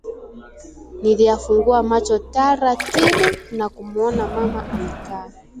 Niliyafungua macho taratibu na kumuona mama amekaa